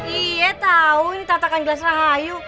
iya tau ini tatakan gelas rahayu